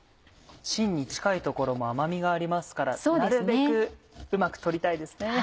芯に近い所も甘みがありますからなるべくうまく取りたいですね。